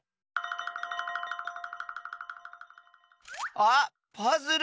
あっパズル！